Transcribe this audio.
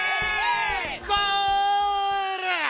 ゴール！